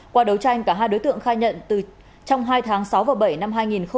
qua đấu tranh cả hai đối tượng khai nhận trong hai tháng sáu và bảy năm hai nghìn một mươi chín